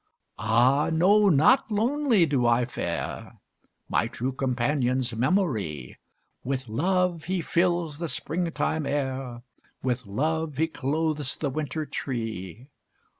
Ah, no, not lonely do I fare: My true companion's Memory. With Love he fills the Spring time air; With Love he clothes the Winter tree.